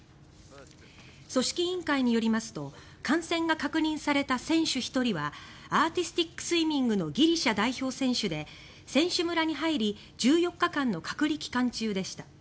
組織委員会によりますと感染が確認された選手１人はアーティスティックスイミングのギリシャ代表選手で選手村に入り１４日間の隔離期間中でした。